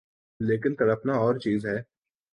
لیکن تڑپنا اورچیز ہے۔